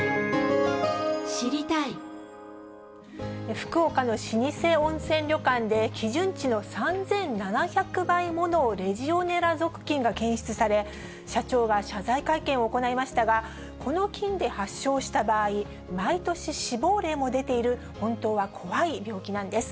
福岡の老舗温泉旅館で、基準値の３７００倍ものレジオネラ属菌が検出され、社長が謝罪会見を行いましたが、この菌で発症した場合、毎年、死亡例も出ている、本当は怖い病気なんです。